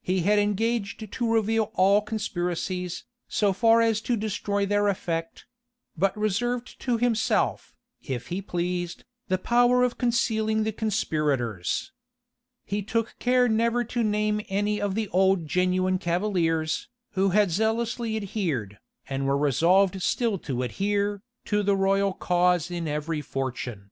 He had engaged to reveal all conspiracies, so far as to destroy their effect; but reserved to himself, if he pleased, the power of concealing the conspirators. He took care never to name any of the old genuine cavaliers, who had zealously adhered, and were resolved still to adhere, to the royal cause in every fortune.